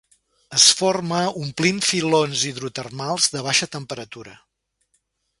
Es forma omplint filons hidrotermals de baixa temperatura.